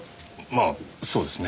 まあそうですね。